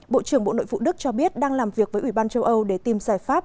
bộ trưởng bộ nội vụ đức cho biết đang làm việc với ủy ban châu âu để tìm giải pháp